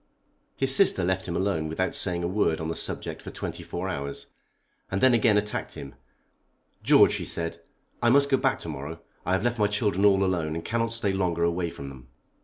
His sister left him alone without saying a word on the subject for twenty four hours, and then again attacked him. "George," she said, "I must go back to morrow. I have left my children all alone and cannot stay longer away from them."